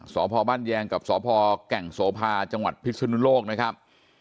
สพบ้านแยงกับสพแก่งโสภาจังหวัดพิศนุโลกนะครับ